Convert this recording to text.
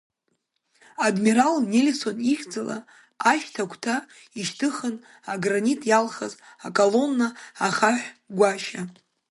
Адмирал Нельсон ихьӡала, ашьҭа агәҭа ишьҭыхын агранит иалхыз аколонна ахаҳә гәашьа.